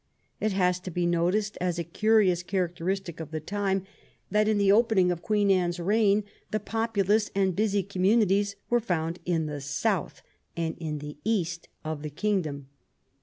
It has to be noticed as a curious characteristic of the time that in the opening of Queen Anne's reign the populous and busy com munities were found in the south and in the east of the kingdom.